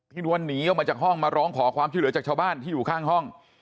นวลหนีออกมาจากห้องมาร้องขอความช่วยเหลือจากชาวบ้านที่อยู่ข้างห้อง